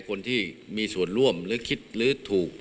คนที่มีส่วนร่วมหรือคิดหรือถูก